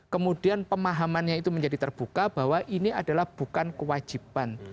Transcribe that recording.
kemudian pemahamannya itu menjadi terbuka bahwa ini adalah bukan kewajiban